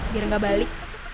biar gak balik